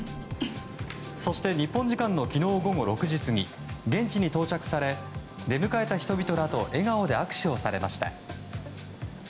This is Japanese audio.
そして、日本時間の昨日午後６時過ぎ現地に到着され出迎えた人々らと笑顔で握手をされました。